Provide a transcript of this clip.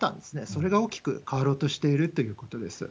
それが大きく変わろうとしているということです。